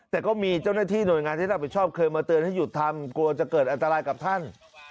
แต่ก็มีเจ้าหน้าที่หน่วยงานที่รับผิดชอบเคยมาเตือนให้หยุดทำกลัวจะเกิดอันตรายกับท่าน